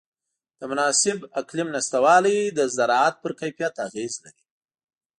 د مناسب اقلیم نهشتوالی د زراعت پر کیفیت اغېز لري.